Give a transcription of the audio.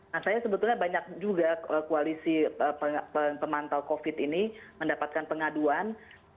nah saya sebetulnya banyak juga koalisi pemantau covid ini mendapatkan pengaduan